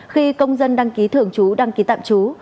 khi công dân đăng ký thường trú đăng ký tạm trú